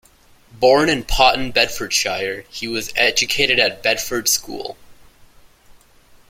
Born in Potton, Bedfordshire, he was educated at Bedford School.